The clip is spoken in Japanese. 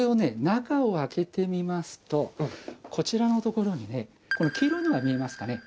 中を開けてみますとこちらのところにね黄色いのが見えますかね？